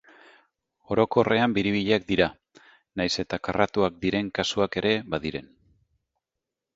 Orokorrean biribilak dira, nahiz eta karratuak diren kasuak ere badiren.